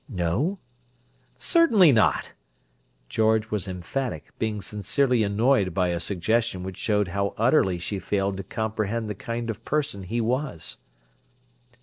"No?" "Certainly not!" George was emphatic, being sincerely annoyed by a suggestion which showed how utterly she failed to comprehend the kind of person he was.